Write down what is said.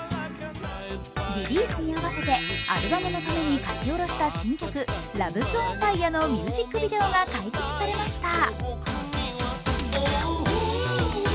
リリースに合わせてアルバムのために書き下ろした新曲、「ＬＯＶＥ’ＳＯＮＦＩＲＥ」のミュージックビデオが解禁されました。